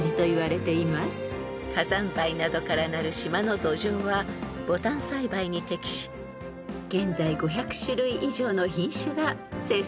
［火山灰などからなる島の土壌はボタン栽培に適し現在５００種類以上の品種が生産されています］